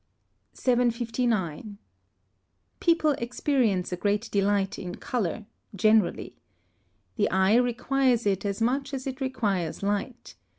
Note C C. 759. People experience a great delight in colour, generally. The eye requires it as much as it requires light.